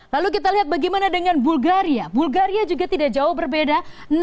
lalu kita lihat bagaimana dengan bulgaria bulgaria juga tidak jauh berbeda